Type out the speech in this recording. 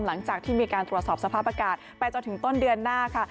หลังจากที่มีการตรวจสอบสภาพอากาศไปจนถึงต้นเดือนหน้าค่ะ